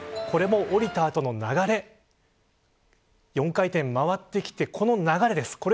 これも下りた後の流れ４回転、回ってきてこの流れです。